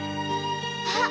あ！